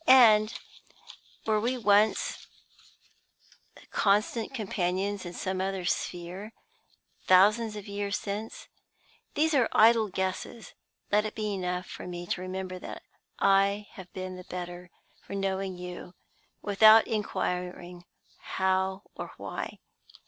And were we once constant companions in some other sphere, thousands of years since? These are idle guesses. Let it be enough for me to remember that I have been the better for knowing you without inquiring how or why.